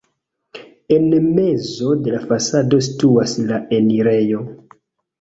En mezo de la fasado situas la enirejo.